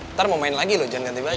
ntar mau main lagi loh jangan ganti baju